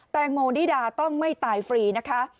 แตงโมนิดาต้องไม่ตายฟรีนะคะ